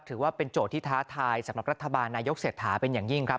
ถือว่าเป็นโจทย์ที่ท้าทายสำหรับรัฐบาลนายกเศรษฐาเป็นอย่างยิ่งครับ